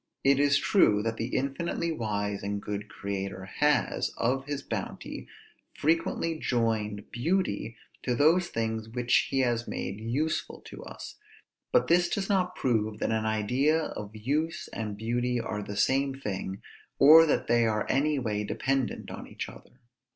It is true that the infinitely wise and good Creator has, of his bounty, frequently joined beauty to those things which he has made useful to us; but this does not prove that an idea of use and beauty are the same thing, or that they are any way dependent on each other.